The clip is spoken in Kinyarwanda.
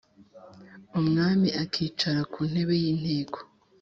umwami akicara ku ntébe y íinteko